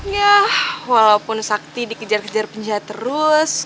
ya walaupun sakti dikejar kejar penjahat terus